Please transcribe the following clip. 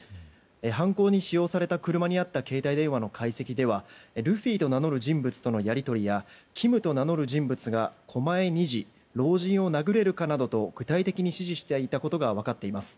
犯行に使用された車にあった携帯電話の解析では、ルフィと名乗る人物とのやり取りやキムと名乗る人物が狛江２時老人を殴れるかなどと具体的に指示していたことが分かっています。